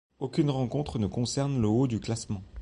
Aucune rencontre ne concerne le haut du classement.